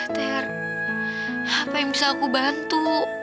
ter apa yang bisa aku bantu